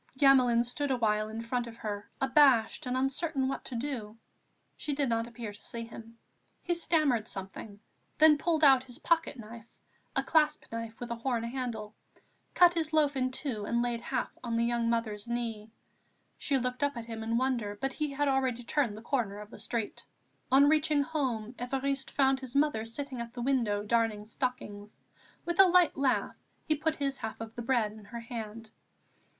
Gamelin stood a while in front of her, abashed and uncertain what to do. She did not appear to see him. He stammered something, then pulled out his pocket knife, a clasp knife with a horn handle, cut his loaf in two and laid half on the young mother's knee. She looked up at him in wonder; but he had already turned the corner of the street. On reaching home, Évariste found his mother sitting at the window darning stockings. With a light laugh he put his half of the bread in her hand.